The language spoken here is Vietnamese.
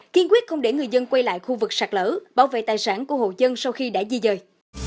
kiên quyết không để người dân quay lại khu vực sạc lỡ bảo vệ tài sản của hồ dân sau khi đã di dời